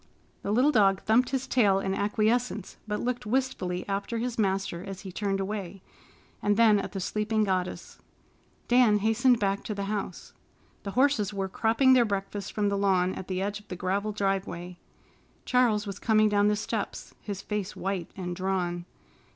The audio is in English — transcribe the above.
The little dog thumped his tail in acquiescence, but looked wistfully after his master as he turned away, and then at the sleeping goddess. Dan hastened back to the house. The horses were cropping their breakfast from the lawn at the edge of the gravel driveway. Charles was coming down the steps, his face white and drawn.